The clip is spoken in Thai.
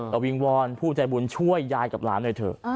ก็วิงวอนผู้ใจบุญช่วยยายกับหลานหน่อยเถอะ